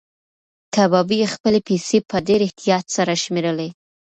کبابي خپلې پیسې په ډېر احتیاط سره شمېرلې.